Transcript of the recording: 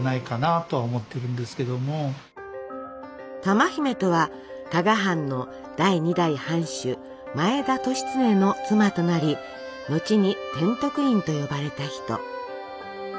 珠姫とは加賀藩の第２代藩主前田利常の妻となり後に天徳院と呼ばれた人。